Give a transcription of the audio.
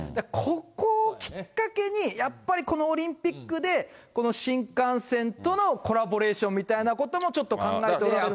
ここをきっかけに、やっぱりこのオリンピックで、この新幹線とのコラボレーションみたいなこともちょっと考えておられるのかなと。